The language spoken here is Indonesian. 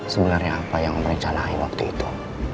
sebenarnya apa yang mencanain waktu itu